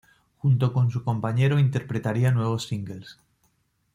Junto con su compañero interpretaría nuevos singles.